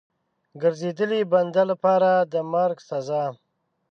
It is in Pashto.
ګرځېدلي بنده لپاره د مرګ سزا.